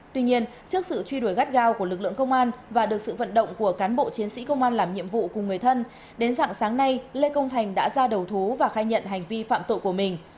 tuy nhiên trước sự truy đuổi gắt gao của lực lượng công an và được sự vận động của cán bộ chiến sĩ công an làm nhiệm vụ cùng người thân đến dạng sáng nay lê công thành đã ra đầu thú và khai nhận hành vi phạm tội của mình